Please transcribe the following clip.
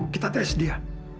kita tes dia